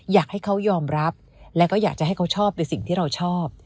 อยากให้เขายอมรับและก็อยากจะให้เขาชอบในสิ่งที่เราชอบ